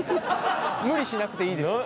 無理しなくていいですよ。